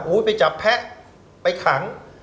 ไปจับแพะไปขัง